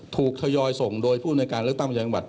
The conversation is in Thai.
ทยอยส่งโดยผู้ในการเลือกตั้งประจำจังหวัด